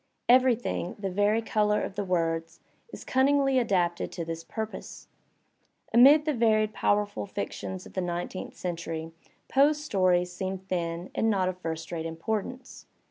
Everything, the very colour of the words, is cunningly adapted to this purpose. Amid the varied powerful fictions of the nine teenth century Poe's stories seem thin and not of first rate importance.